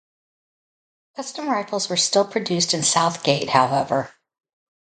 Custom rifles were still produced in South Gate, however.